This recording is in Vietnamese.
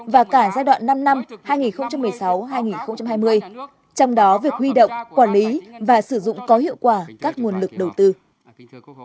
và cả giai đoạn năm năm hai nghìn một mươi sáu hai nghìn hai mươi trong đó việc huy động quản lý và sử dụng có hiệu quả các nguồn lực đầu tư